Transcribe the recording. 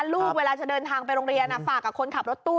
เวลาจะเดินทางไปโรงเรียนฝากกับคนขับรถตู้